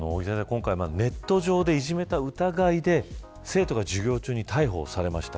今回ネット上でいじめた疑いで生徒が授業中に逮捕されました。